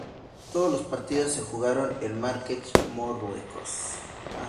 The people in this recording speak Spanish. Todos los partidos se jugaron en Marrakech, Marruecos.